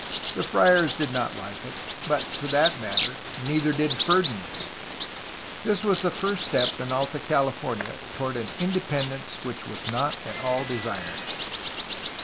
The friars did not like it, but, for that matter, neither did Ferdinand. This was the first step in Alta California toward an independence which was not at all desired.